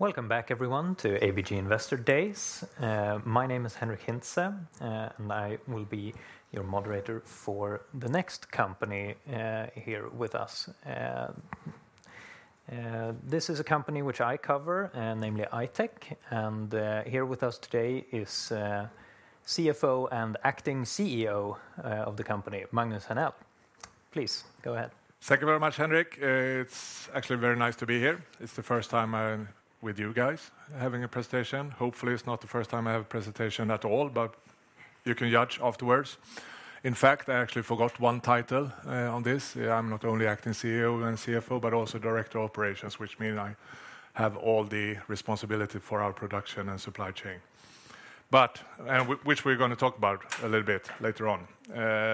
Welcome back, everyone, to ABG Investor Days. My name is Henrik Hintze, and I will be your moderator for the next company here with us. This is a company which I cover, namely I-Tech. And here with us today is CFO and Acting CEO of the company, Magnus Henell. Please go ahead. Thank you very much, Henrik. It's actually very nice to be here. It's the first time I'm with you guys having a presentation. Hopefully, it's not the first time I have a presentation at all, but you can judge afterwards. In fact, I actually forgot one title on this. I'm not only Acting CEO and CFO, but also Director of Operations, which means I have all the responsibility for our production and supply chain, which we're going to talk about a little bit later on.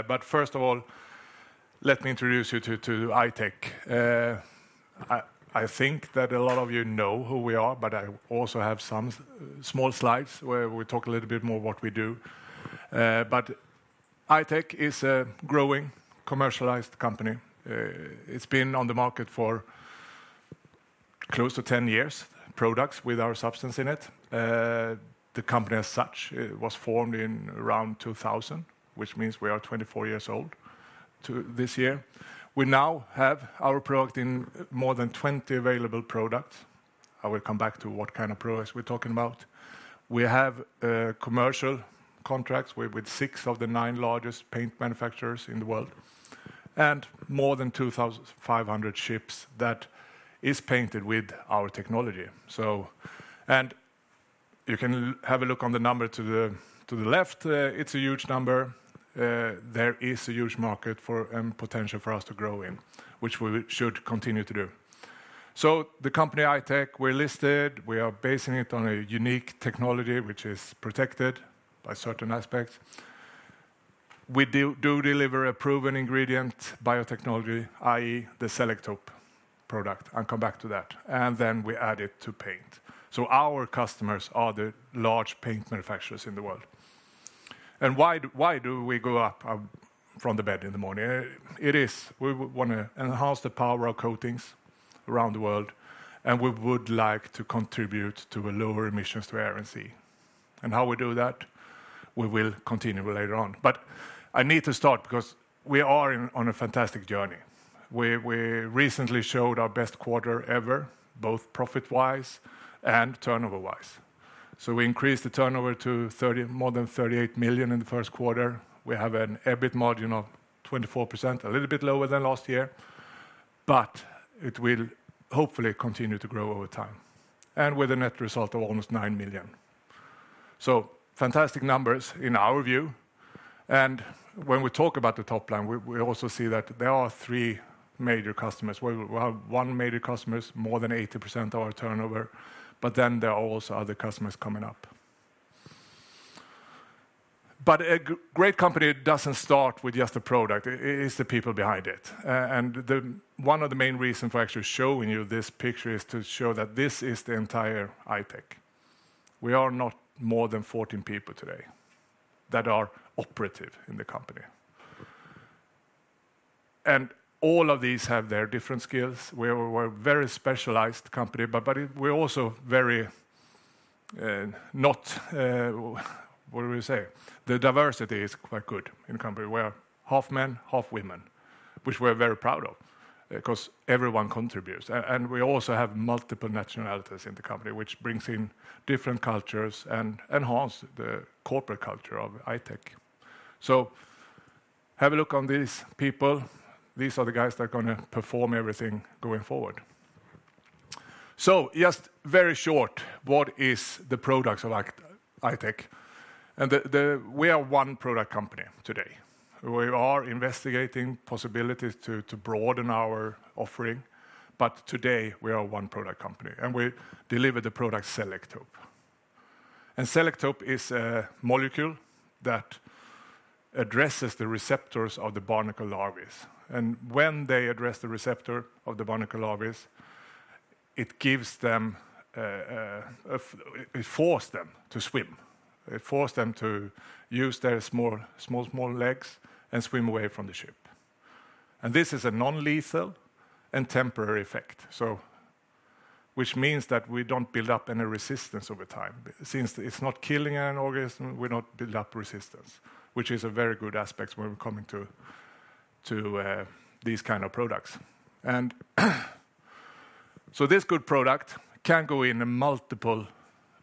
But first of all, let me introduce you to I-Tech. I think that a lot of you know who we are, but I also have some small slides where we talk a little bit more about what we do. But I-Tech is a growing commercialized company. It's been on the market for close to 10 years, products with our substance in it. The company as such was formed in around 2000, which means we are 24 years old this year. We now have our product in more than 20 available products. I will come back to what kind of products we're talking about. We have commercial contracts with six of the nine largest paint manufacturers in the world and more than 2,500 ships that are painted with our technology. And you can have a look on the number to the left. It's a huge number. There is a huge market and potential for us to grow in, which we should continue to do. So the company I-Tech, we're listed. We are basing it on a unique technology, which is protected by certain aspects. We do deliver a proven ingredient, biotechnology, i.e., the Selektope product, and come back to that. And then we add it to paint. Our customers are the large paint manufacturers in the world. Why do we go up from the bed in the morning? It is we want to enhance the power of coatings around the world, and we would like to contribute to lower emissions to air and sea. How we do that, we will continue later on. I need to start because we are on a fantastic journey. We recently showed our best quarter ever, both profit-wise and turnover-wise. We increased the turnover to more than 38 million in the first quarter. We have an EBIT margin of 24%, a little bit lower than last year, but it will hopefully continue to grow over time and with a net result of almost 9 million. Fantastic numbers in our view. And when we talk about the top line, we also see that there are three major customers. We have one major customer, more than 80% of our turnover, but then there are also other customers coming up. But a great company doesn't start with just the product. It's the people behind it. And one of the main reasons for actually showing you this picture is to show that this is the entire I-Tech. We are not more than 14 people today that are operative in the company. And all of these have their different skills. We're a very specialized company, but we're also very not, what do we say? The diversity is quite good in the company. We are half men, half women, which we're very proud of because everyone contributes. And we also have multiple nationalities in the company, which brings in different cultures and enhanced the corporate culture of I-Tech. So have a look on these people. These are the guys that are going to perform everything going forward. So just very short, what is the products of I-Tech? And we are one product company today. We are investigating possibilities to broaden our offering, but today we are one product company and we deliver the product Selektope. And Selektope is a molecule that addresses the receptors of the barnacle larvae. And when they address the receptor of the barnacle larvae, it forces them to swim. It forces them to use their small legs and swim away from the ship. And this is a non-lethal and temporary effect, which means that we don't build up any resistance over time. Since it's not killing an organism, we don't build up resistance, which is a very good aspect when we're coming to these kinds of products. And so this good product can go in a multiple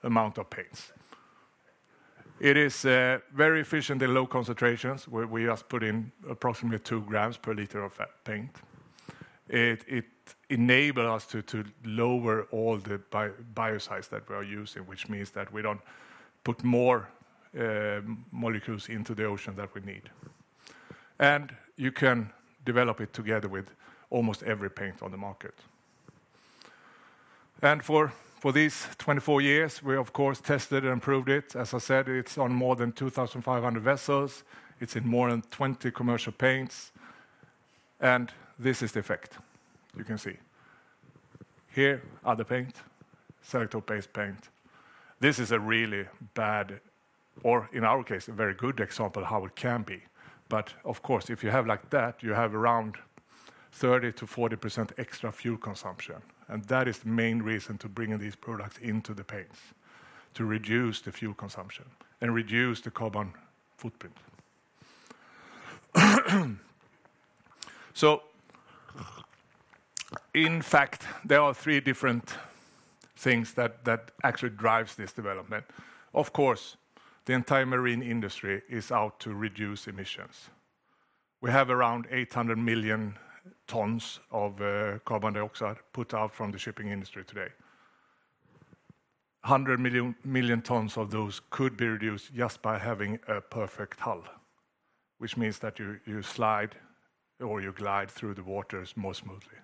amount of paints. It is very efficient in low concentrations. We just put in approximately two grams per liter of paint. It enables us to lower all the biocides that we are using, which means that we don't put more molecules into the ocean that we need. And you can develop it together with almost every paint on the market. And for these 24 years, we, of course, tested and improved it. As I said, it's on more than 2,500 vessels. It's in more than 20 commercial paints. And this is the effect. You can see here are the paint, Selektope-based paint. This is a really bad, or in our case, a very good example of how it can be, but of course, if you have like that, you have around 30%-40% extra fuel consumption, and that is the main reason to bring these products into the paints, to reduce the fuel consumption and reduce the carbon footprint. So in fact, there are three different things that actually drive this development. Of course, the entire marine industry is out to reduce emissions. We have around 800 million tons of carbon dioxide put out from the shipping industry today. 100 million tons of those could be reduced just by having a perfect hull, which means that you slide or you glide through the waters more smoothly,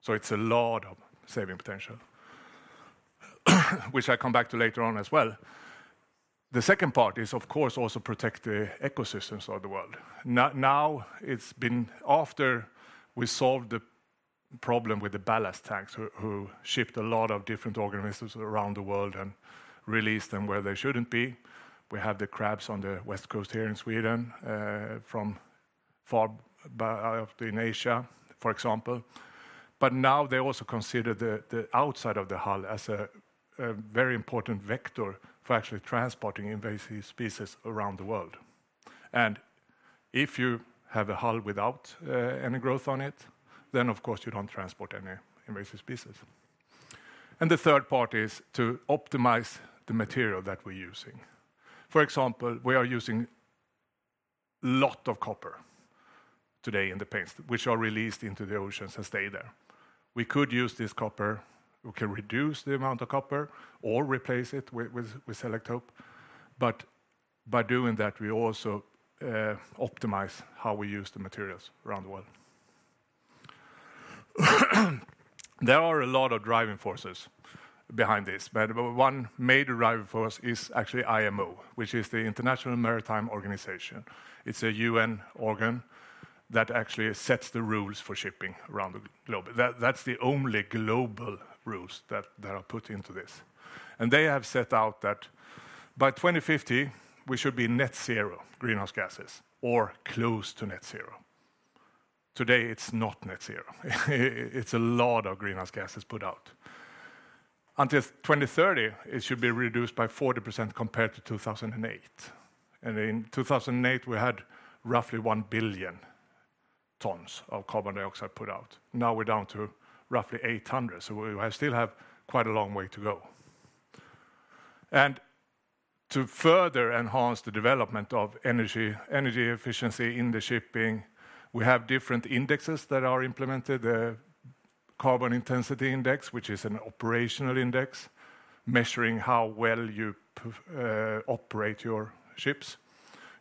so it's a lot of saving potential, which I come back to later on as well. The second part is, of course, also protect the ecosystems of the world. Now, it's been after we solved the problem with the ballast tanks who shipped a lot of different organisms around the world and released them where they shouldn't be. We have the crabs on the West Coast here in Sweden from far in Asia, for example. But now they also consider the outside of the hull as a very important vector for actually transporting invasive species around the world. And if you have a hull without any growth on it, then of course you don't transport any invasive species. And the third part is to optimize the material that we're using. For example, we are using a lot of copper today in the paints, which are released into the oceans and stay there. We could use this copper. We can reduce the amount of copper or replace it with Selektope. But by doing that, we also optimize how we use the materials around the world. There are a lot of driving forces behind this, but one major driving force is actually IMO, which is the International Maritime Organization. It's a UN organ that actually sets the rules for shipping around the globe. That's the only global rules that are put into this. They have set out that by 2050, we should be net zero greenhouse gases or close to net zero. Today, it's not net zero. It's a lot of greenhouse gases put out. Until 2030, it should be reduced by 40% compared to 2008. In 2008, we had roughly 1 billion tons of carbon dioxide put out. Now we're down to roughly 800. We still have quite a long way to go. To further enhance the development of energy efficiency in the shipping, we have different indexes that are implemented, the Carbon Intensity Index, which is an operational index measuring how well you operate your ships.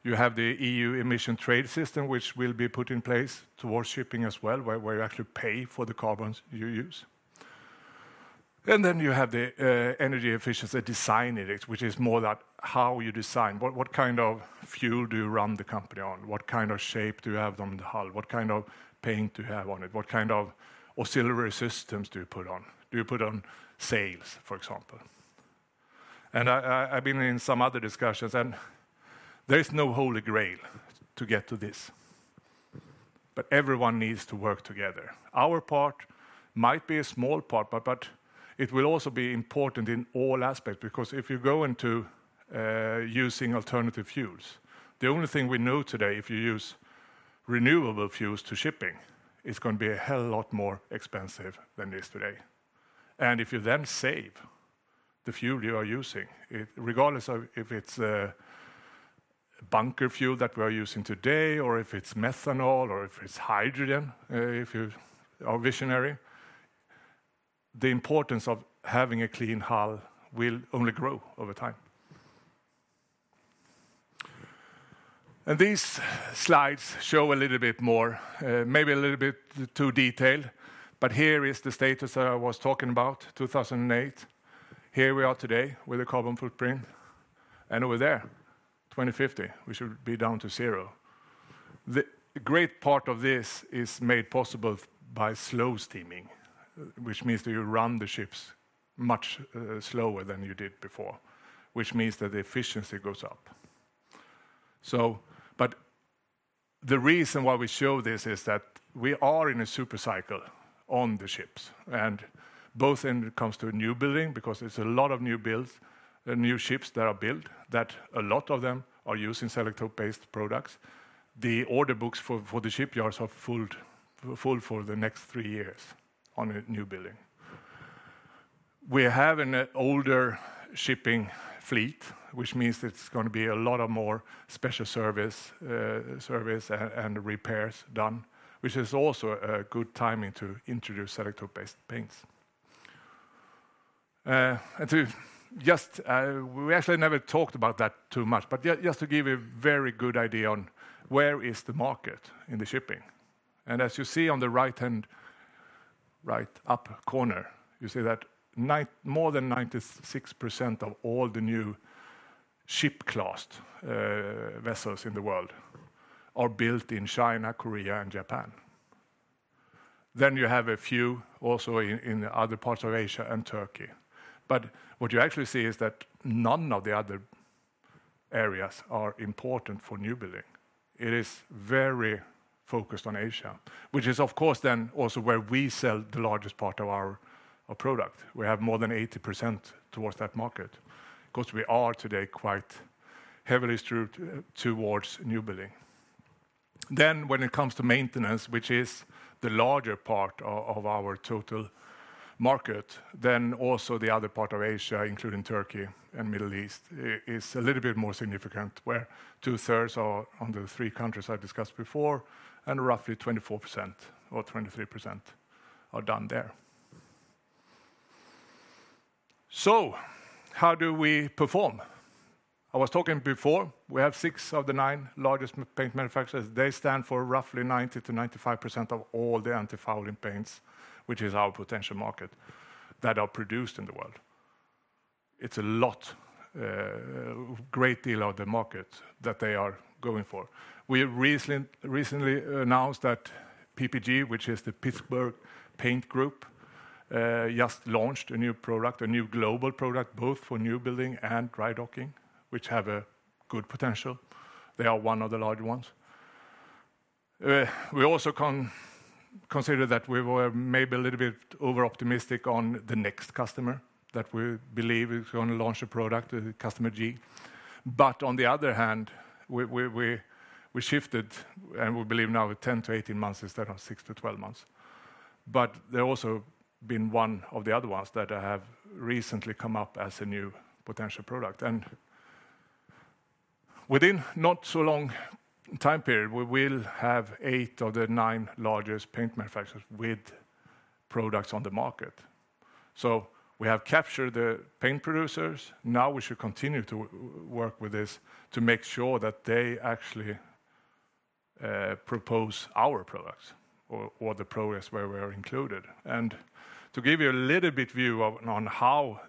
You have the EU Emissions Trading System, which will be put in place towards shipping as well, where you actually pay for the carbons you use, and then you have the Energy Efficiency Design Index, which is more about how you design, what kind of fuel do you run the company on, what kind of shape do you have on the hull, what kind of paint do you have on it, what kind of auxiliary systems do you put on, do you put on sails, for example. I've been in some other discussions, and there is no holy grail to get to this. Everyone needs to work together. Our part might be a small part, but it will also be important in all aspects because if you go into using alternative fuels, the only thing we know today, if you use renewable fuels to shipping, it's going to be a hell of a lot more expensive than it is today. And if you then save the fuel you are using, regardless of if it's bunker fuel that we are using today or if it's methanol or if it's hydrogen, if you are visionary, the importance of having a clean hull will only grow over time. And these slides show a little bit more, maybe a little bit too detailed, but here is the status that I was talking about, 2008. Here we are today with a carbon footprint. And over there, 2050 we should be down to zero. The great part of this is made possible by slow steaming, which means that you run the ships much slower than you did before, which means that the efficiency goes up, but the reason why we show this is that we are in a supercycle on the ships. And both when it comes to new building, because there's a lot of new ships that are built, that a lot of them are using Selektope-based products. The order books for the shipyards are full for the next three years on a new building. We have an older shipping fleet, which means it's going to be a lot of more special service and repairs done, which is also a good timing to introduce Selektope-based paints, and we actually never talked about that too much, but just to give you a very good idea on where is the market in the shipping. As you see on the top right-hand corner, you see that more than 96% of all the new ship-class vessels in the world are built in China, Korea, and Japan. You have a few also in other parts of Asia and Turkey. What you actually see is that none of the other areas are important for new building. It is very focused on Asia, which is of course then also where we sell the largest part of our product. We have more than 80% towards that market because we are today quite heavily skewed towards new building. Then when it comes to maintenance, which is the larger part of our total market, then also the other part of Asia, including Turkey and the Middle East, is a little bit more significant, where two-thirds are on the three countries I discussed before, and roughly 24% or 23% are done there. So how do we perform? I was talking before. We have six of the nine largest paint manufacturers. They stand for roughly 90%-95% of all the antifouling paints, which is our potential market, that are produced in the world. It's a lot, a great deal of the market that they are going for. We recently announced that PPG, which is the Pittsburgh Paint Group, just launched a new product, a new global product, both for new building and dry docking, which have a good potential. They are one of the larger ones. We also consider that we were maybe a little bit over-optimistic on the next customer that we believe is going to launch a product, the customer G, but on the other hand, we shifted and we believe now 10-18 months instead of 6-12 months. But there have also been one of the other ones that have recently come up as a new potential product, and within not so long time period, we will have eight of the nine largest paint manufacturers with products on the market, so we have captured the paint producers. Now we should continue to work with this to make sure that they actually propose our products or the progress where we are included, and to give you a little bit view on how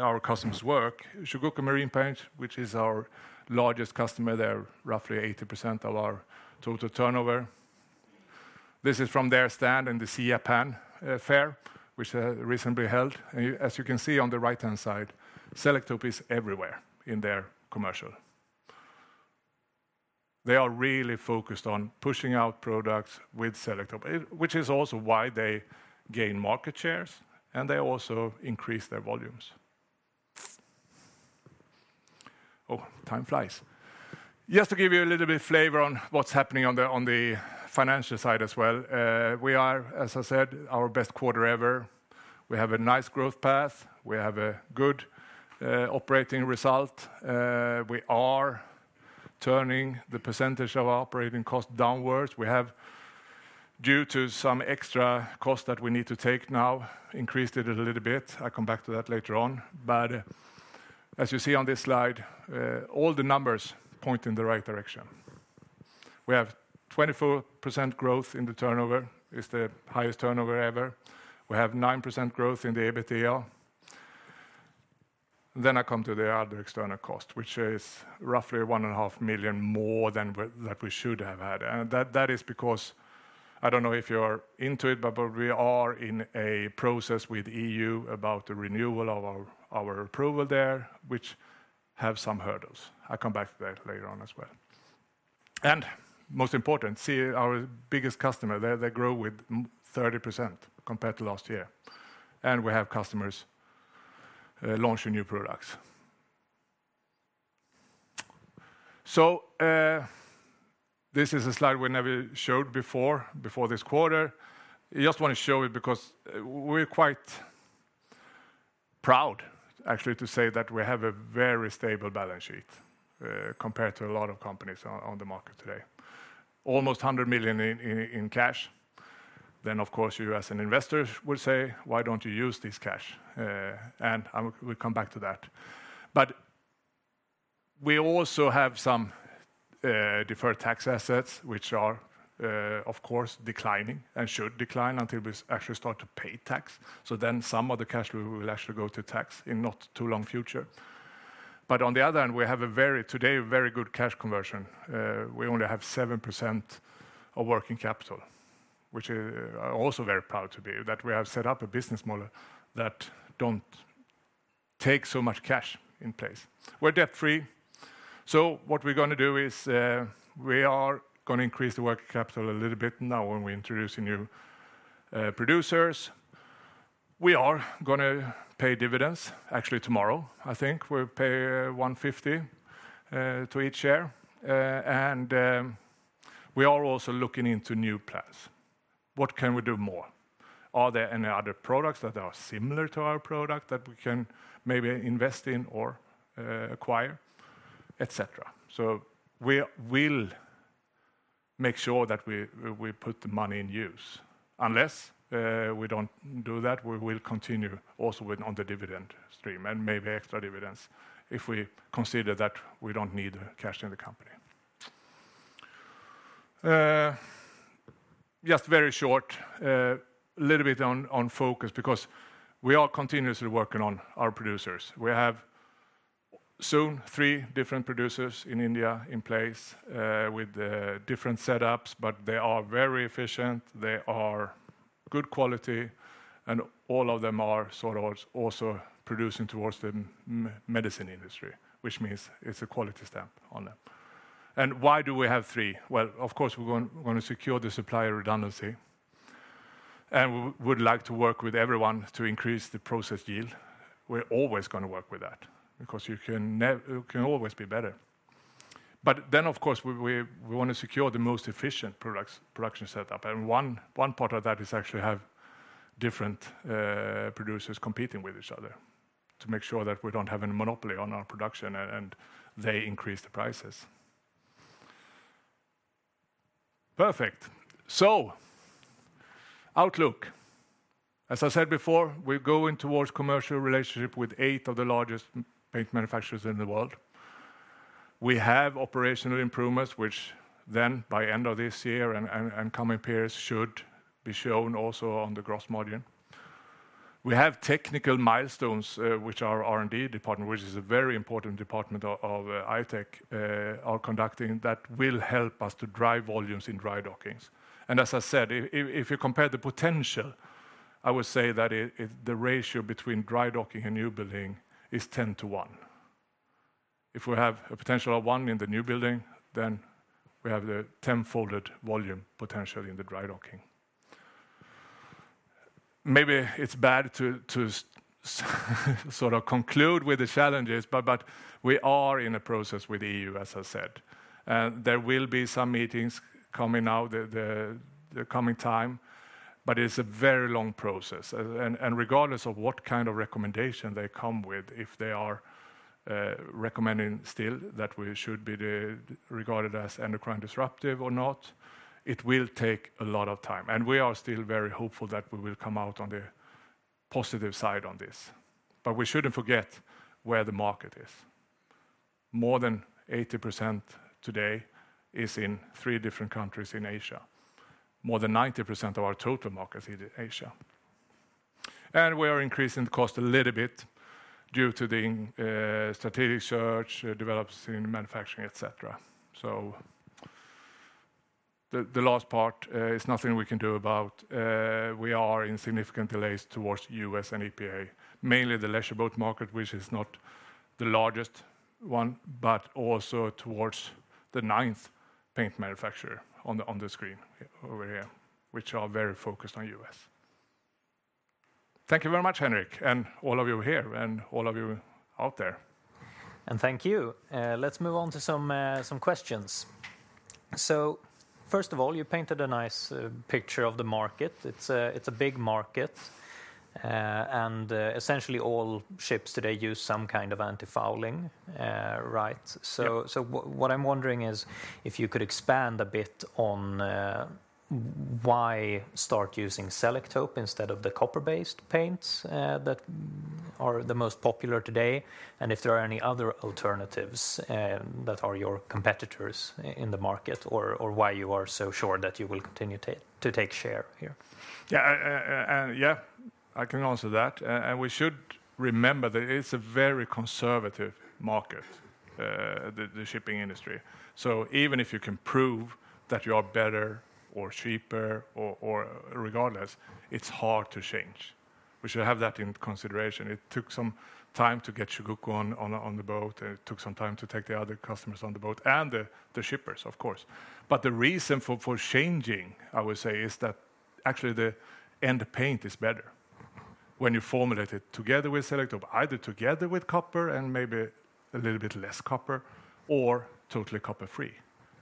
our customers work, Chugoku Marine Paints, which is our largest customer, they're roughly 80% of our total turnover. This is from their stand in the Sea Japan Fair, which they recently held. As you can see on the right-hand side, Selektope is everywhere in their commercial. They are really focused on pushing out products with Selektope, which is also why they gain market shares and they also increase their volumes. Oh, time flies. Just to give you a little bit of flavor on what's happening on the financial side as well. We are, as I said, our best quarter ever. We have a nice growth path. We have a good operating result. We are turning the percentage of our operating cost downwards. We have, due to some extra cost that we need to take now, increased it a little bit. I'll come back to that later on. But as you see on this slide, all the numbers point in the right direction. We have 24% growth in the turnover, is the highest turnover ever. We have 9% growth in the EBITDA. Then I come to the other external cost, which is roughly 1.5 million more than that we should have had, and that is because I don't know if you're into it, but we are in a process with the EU about the renewal of our approval there, which has some hurdles. I'll come back to that later on as well, and most important, our biggest customer, they grow with 30% compared to last year, and we have customers launching new products. So this is a slide we never showed before this quarter. I just want to show it because we're quite proud, actually, to say that we have a very stable balance sheet compared to a lot of companies on the market today. Almost 100 million in cash. Then, of course, you as an investor would say, why don't you use this cash? And we'll come back to that. But we also have some deferred tax assets, which are, of course, declining and should decline until we actually start to pay tax. So then some of the cash will actually go to tax in the not too long future. But on the other hand, we have today a very good cash conversion. We only have 7% of working capital, which I'm also very proud to be that we have set up a business model that doesn't take so much cash in place. We're debt-free. So what we're going to do is we are going to increase the working capital a little bit now when we introduce new producers. We are going to pay dividends, actually tomorrow, I think we'll pay 1.50 to each share. We are also looking into new plans. What can we do more? Are there any other products that are similar to our product that we can maybe invest in or acquire, etc.? We will make sure that we put the money in use. Unless we don't do that, we will continue also with on the dividend stream and maybe extra dividends if we consider that we don't need cash in the company. Just very short, a little bit on focus because we are continuously working on our producers. We have soon three different producers in India in place with different setups, but they are very efficient. They are good quality. All of them are sort of also producing towards the medicine industry, which means it's a quality stamp on them. Why do we have three? Of course, we're going to secure the supplier redundancy. We would like to work with everyone to increase the process yield. We're always going to work with that because you can always be better. Then, of course, we want to secure the most efficient production setup. One part of that is actually to have different producers competing with each other to make sure that we don't have a monopoly on our production and they increase the prices. Perfect. Outlook. As I said before, we're going towards commercial relationship with eight of the largest paint manufacturers in the world. We have operational improvements, which then by the end of this year and coming periods should be shown also on the gross margin. We have technical milestones, which our R&D department, which is a very important department of I-Tech, are conducting that will help us to drive volumes in dry dockings. As I said, if you compare the potential, I would say that the ratio between dry docking and new building is 10 to one. If we have a potential of one in the new building, then we have a tenfold volume potential in the dry docking. Maybe it's bad to sort of conclude with the challenges, but we are in a process with the EU, as I said. There will be some meetings coming up in the coming time, but it's a very long process. Regardless of what kind of recommendation they come with, if they are recommending still that we should be regarded as an endocrine disruptor or not, it will take a lot of time. We are still very hopeful that we will come out on the positive side on this. We shouldn't forget where the market is. More than 80% today is in three different countries in Asia. More than 90% of our total market is in Asia. And we are increasing the cost a little bit due to the strategic search, development in manufacturing, etc. So the last part is nothing we can do about. We are in significant delays towards the US and EPA, mainly the leisure boat market, which is not the largest one, but also towards the ninth paint manufacturer on the screen over here, which are very focused on the US Thank you very much, Henrik, and all of you here and all of you out there. And thank you. Let's move on to some questions. So first of all, you painted a nice picture of the market. It's a big market. And essentially all ships today use some kind of antifouling, right? What I'm wondering is if you could expand a bit on why start using Selektope instead of the copper-based paints that are the most popular today, and if there are any other alternatives that are your competitors in the market or why you are so sure that you will continue to take share here. Yeah, I can answer that. We should remember that it's a very conservative market, the shipping industry. Even if you can prove that you are better or cheaper or regardless, it's hard to change. We should have that in consideration. It took some time to get Chugoku on the boat, and it took some time to take the other customers on the boat and the shippers, of course. But the reason for changing, I would say, is that actually the end paint is better when you formulate it together with Selektope, either together with copper and maybe a little bit less copper or totally copper-free.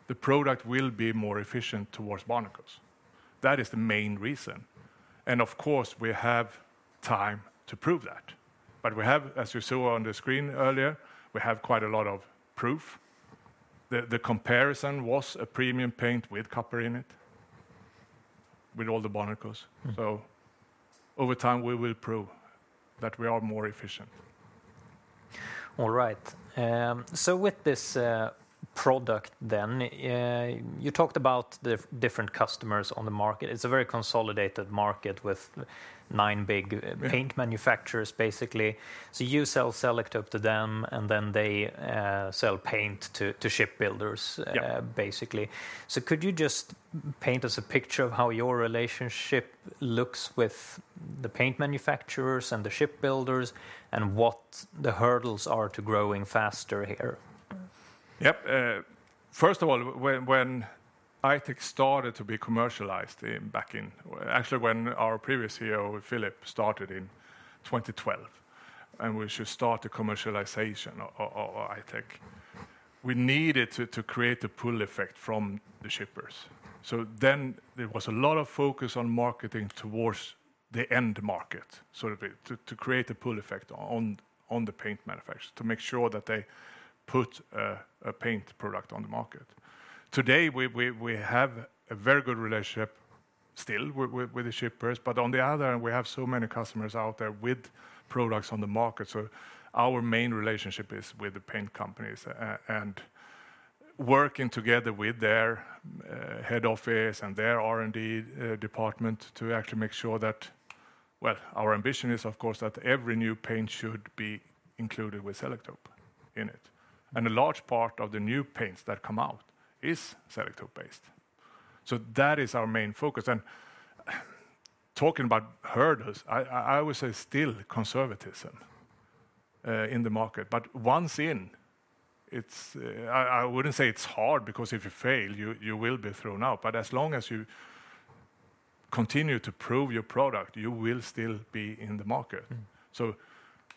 The product will be more efficient towards barnacles. That is the main reason. And of course, we have time to prove that. But we have, as you saw on the screen earlier, we have quite a lot of proof. The comparison was a premium paint with copper in it, with all the barnacles. So over time, we will prove that we are more efficient. All right. So with this product then, you talked about the different customers on the market. It's a very consolidated market with nine big paint manufacturers, basically. So you sell Selektope to them, and then they sell paint to shipbuilders, basically. So could you just paint us a picture of how your relationship looks with the paint manufacturers and the shipbuilders and what the hurdles are to growing faster here? Yep. First of all, when I-Tech started to be commercialized back in, actually when our previous CEO, Philip, started in 2012, and we should start the commercialization of I-Tech, we needed to create a pull effect from the shippers. So then there was a lot of focus on marketing towards the end market, sort of to create a pull effect on the paint manufacturers to make sure that they put a paint product on the market. Today, we have a very good relationship still with the shippers, but on the other hand, we have so many customers out there with products on the market. So our main relationship is with the paint companies and working together with their head office and their R&D department to actually make sure that, well, our ambition is, of course, that every new paint should be included with Selektope in it. And a large part of the new paints that come out is Selektope-based. So that is our main focus. And talking about hurdles, I would say still conservatism in the market. But once in, I wouldn't say it's hard because if you fail, you will be thrown out. But as long as you continue to prove your product, you will still be in the market. So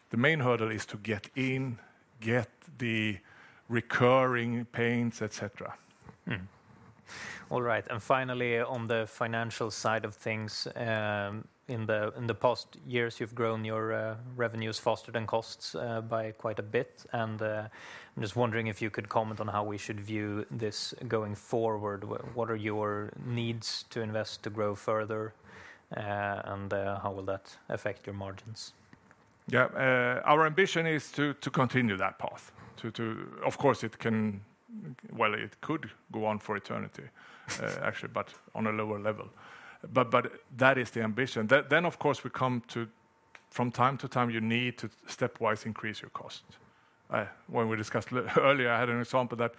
the main hurdle is to get in, get the recurring paints, etc. All right. And finally, on the financial side of things, in the past years, you've grown your revenues faster than costs by quite a bit. And I'm just wondering if you could comment on how we should view this going forward. What are your needs to invest to grow further, and how will that affect your margins? Yeah, our ambition is to continue that path. Of course, it can, well, it could go on for eternity, actually, but on a lower level. But that is the ambition. Then, of course, we come to, from time to time, you need to stepwise increase your costs. When we discussed earlier, I had an example that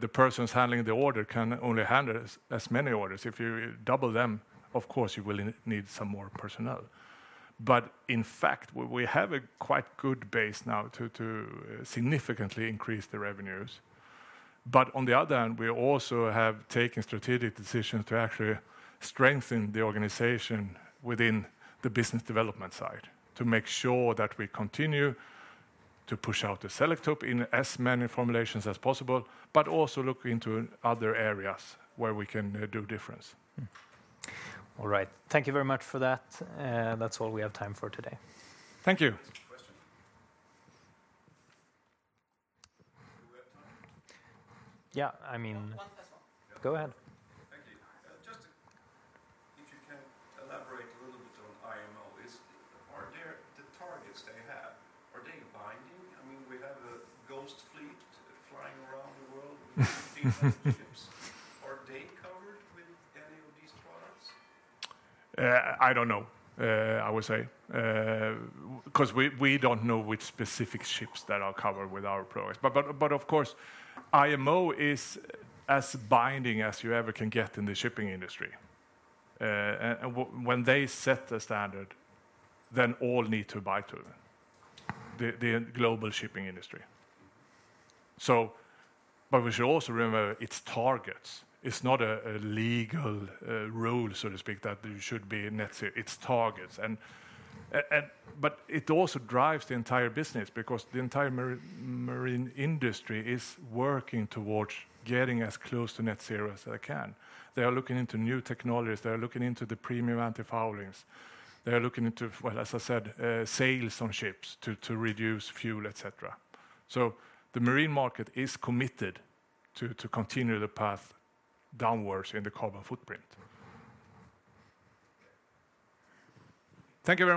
the persons handling the order can only handle as many orders. If you double them, of course, you will need some more personnel. But in fact, we have a quite good base now to significantly increase the revenues. But on the other hand, we also have taken strategic decisions to actually strengthen the organization within the business development side to make sure that we continue to push out the Selektope in as many formulations as possible, but also look into other areas where we can do a difference. All right. Thank you very much for that. That's all we have time for today. Thank you. Yeah, I mean. One first one. Go ahead. Thank you. Just if you can elaborate a little bit on IMO, are there the targets they have, are they binding? I mean, we have a ghost fleet flying around the world with these ships. Are they covered with any of these products? I don't know, I would say, because we don't know which specific ships that are covered with our products. But of course, IMO is as binding as you ever can get in the shipping industry. And when they set the standard, then all need to abide by them, the global shipping industry. But we should also remember its targets. It's not a legal rule, so to speak, that there should be net zero. It's targets. But it also drives the entire business because the entire marine industry is working towards getting as close to net zero as they can. They are looking into new technologies. They are looking into the premium antifoulings. They are looking into, well, as I said, slow steaming on ships to reduce fuel, etc. So the marine market is committed to continue the path downwards in the carbon footprint. Thank you very much.